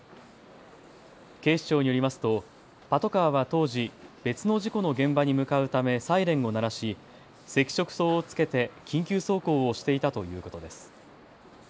警視庁によりますとパトカーは当時、別の事故の現場に向かうためサイレンを鳴らし赤色灯をつけて緊急走行をしていたということです。